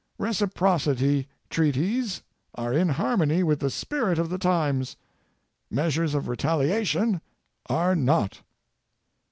Reciprocity treaties are in harmony with the spirit of the times; measures of retaliation are not.